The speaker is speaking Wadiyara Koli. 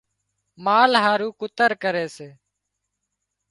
مال هارو ڪُتر ڪري سي